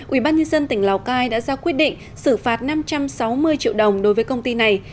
ủy ban nhân dân tỉnh lào cai đã ra quyết định xử phạt năm trăm sáu mươi triệu đồng đối với công ty này